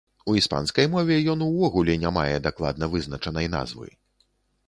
У іспанскай мове ён увогуле не мае дакладна вызначанай назвы.